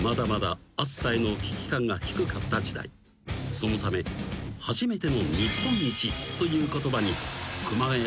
［そのため初めての「日本一」という言葉に］